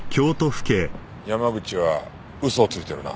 山口は嘘をついているな。